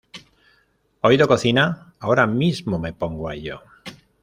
oído cocina. Ahora mismo me pongo a ello